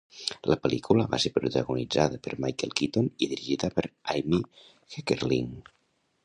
La pel·lícula va ser protagonitzada per Michael Keaton i dirigida per Amy Heckerling.